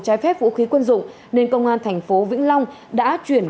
trái phép vũ khí quân dụng nên công an thành phố vĩnh long đã chuyển